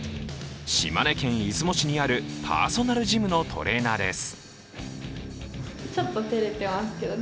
島根県出雲市にあるパーソナルジムのトレーナーです。